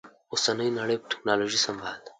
اوسنۍ نړۍ په ټکنالوژي سمبال ده